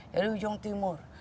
dari ujung timur